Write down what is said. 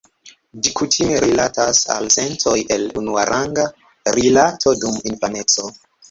Ĝi kutime rilatas al sentoj el unuaranga rilato dum infaneco.